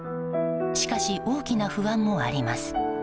しかし、大きな不安もあります。